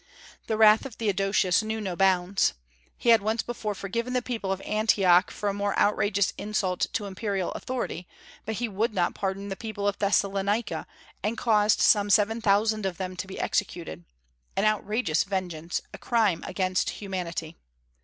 The wrath of Theodosius knew no bounds. He had once before forgiven the people of Antioch for a more outrageous insult to imperial authority; but he would not pardon the people of Thessalonica, and caused some seven thousand of them to be executed, an outrageous vengeance, a crime against humanity.